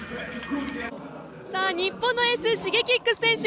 日本のエース・Ｓｈｉｇｅｋｉｘ選手。